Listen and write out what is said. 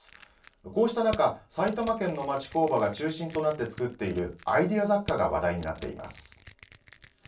こうした中、埼玉県の町工場が中心となっていって作っているアイデア雑貨が話題になっています。